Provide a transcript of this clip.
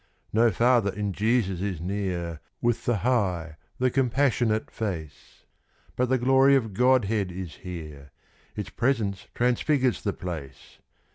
No father in Jesus is near, with the high, the compassionate face; But the glory of Godhead is here its presence transfigures the place!